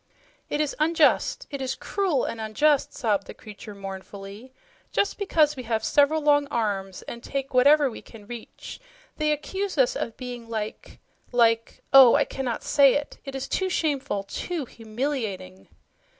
"It is unjust! It is cruel and unjust!" sobbed the creature mournfully. "Just because we have several long arms and take whatever we can reach, they accuse us of being like like oh, I cannot say it! It is too shameful, too humiliating."